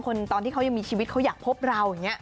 ตอนที่เขายังมีชีวิตเขาอยากพบเราอย่างนี้